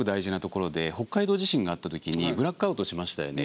北海道地震があったときにブラックアウトしましたよね。